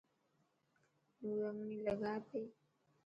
نورنگڻي لگائي پئي.